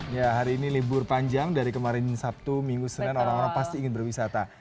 ya hari ini libur panjang dari kemarin sabtu minggu senin orang orang pasti ingin berwisata